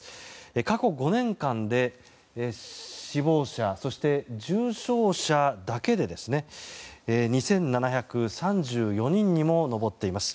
過去５年間で死亡者そして重傷者だけで２７３４人にも上っています。